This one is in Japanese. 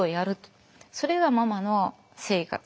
それがママの生活。